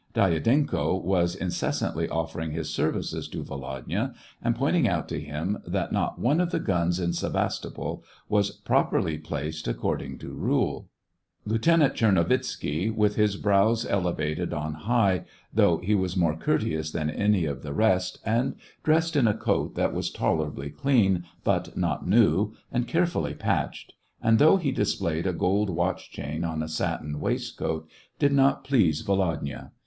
Dyadenko was inces santly offering his services to Volodya, and point ing out to him that not one of the guns in Sevastopol was properly placed, according to rule. Lieutenant Tchernovitzky, with his brows ele vated on high, though he was more courteous than any of the rest, and dressed in a coat that was tolerably clean, but not new, and carefully patched, and though he displayed a gold watch chain on a satin waistcoat, did not please Volodya.